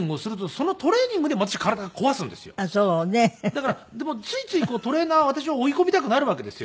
だからでもついついトレーナーは私を追い込みたくなるわけですよ。